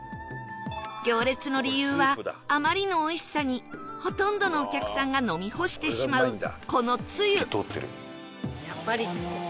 行列の理由はあまりのおいしさにほとんどのお客さんが飲み干してしまうこのツユ